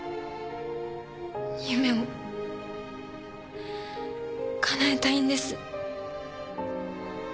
夢をかなえたいんです。